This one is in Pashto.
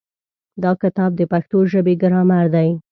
دا کتاب د پښتو ژبې ګرامر دی.